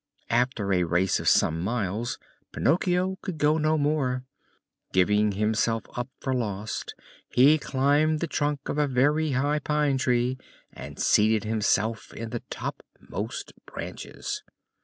After a race of some miles Pinocchio could go no more. Giving himself up for lost, he climbed the trunk of a very high pine tree and seated himself in the topmost branches.